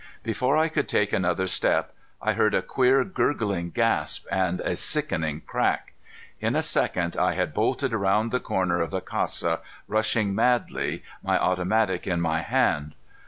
Before I could take another step, I heard a queer, gurgling gasp and a sickening crack. In a second I had bolted around the corner of the casa, rushing madly, my automatic in my hand.